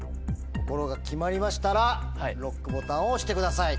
心が決まりましたらＬＯＣＫボタンを押してください！